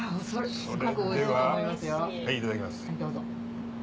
それではいただきます。